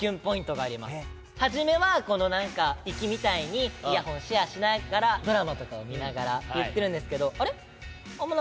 初めは行きみたいにイヤホンシェアしながらドラマとかを見ながらいってるんですけど。